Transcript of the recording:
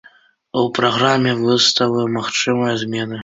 У праграме выставы магчымыя змены.